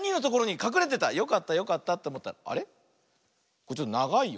これちょっとながいよ。